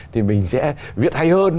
thì mình sẽ viết hay hơn